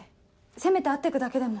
せめて会ってくだけでも。